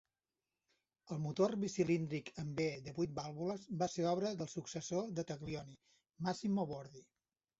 El motor bicilíndric en V de vuit vàlvules va ser obra del successor de Taglioni, Massimo Bordi.